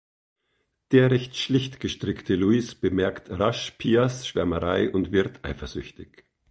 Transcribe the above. Der recht schlicht gestrickte Louis bemerkt rasch Pias Schwärmerei und wird eifersüchtig.